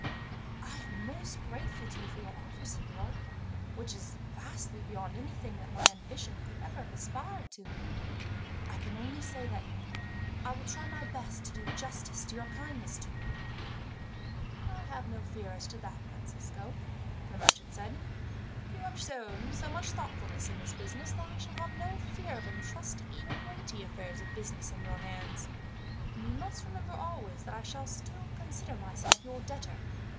"I am most grateful to you for your offer, signor, which is vastly beyond anything that my ambition could ever have aspired to. I can only say that I will try my best to do justice to your kindness to me." "I have no fear as to that, Francisco," the merchant said. "You have shown so much thoughtfulness, in this business, that I shall have no fear of entrusting even weighty affairs of business in your hands; and you must remember always that I shall still consider myself your debtor.